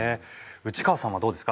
内川さんはどうですか？